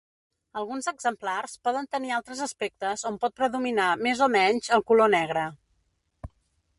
Alguns exemplars poden tenir altres aspectes on pot predominar més o menys el color negre.